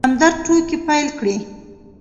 همدرد ټوکې پيل کړې.